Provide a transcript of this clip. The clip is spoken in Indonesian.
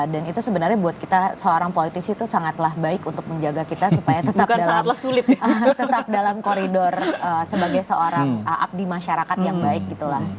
dan itu sebenarnya buat kita seorang politisi itu sangatlah baik untuk menjaga kita supaya tetap dalam koridor sebagai seorang abdi masyarakat yang baik gitu lah